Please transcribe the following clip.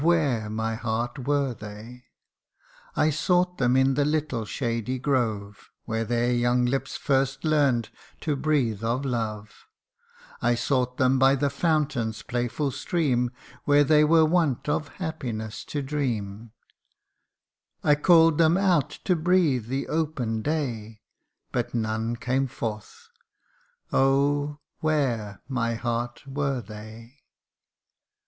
where, my heart, were they ? I sought them in the little shady grove, Where their young lips first learn'd to breathe of love ; I sought them by the fountain's playful stream, Where they were wont of happiness to dream ; I call'd them out to breathe the open day But none came forth oh ! where, my heart, were they